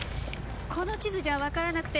この地図じゃわからなくて。